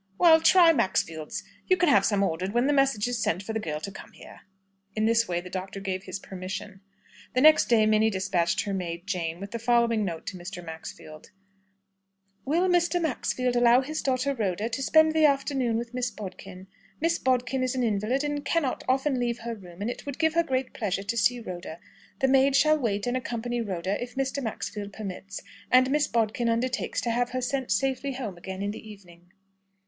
Well, try Maxfield's. You can have some ordered when the message is sent for the girl to come here." In this way the doctor gave his permission. The next day Minnie despatched her maid, Jane, with the following note to Mr. Maxfield: "Will Mr. Maxfield allow his daughter Rhoda to spend the afternoon with Miss Bodkin? Miss Bodkin is an invalid, and cannot often leave her room, and it would give her great pleasure to see Rhoda. The maid shall wait and accompany Rhoda if Mr. Maxfield permits, and Miss Bodkin undertakes to have her sent safely home again in the evening."